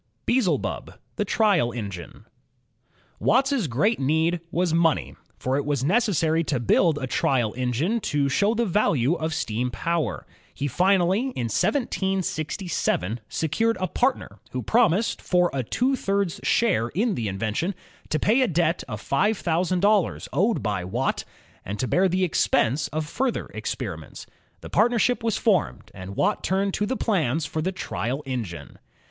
Beelzebub, the Trial Engine Watt's great need was money, for it was necessary to build a trial engine to show the value of steam power. He finally, in 1767, secured a partner who promised, for a two thirds share in the invention, to pay a debt of five thousand dollars owed by Watt, and to bear the expense of further experiments. The partnership was formed, and Watt turned to the plans for the trial engine.